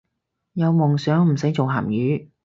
有夢想唔使做鹹魚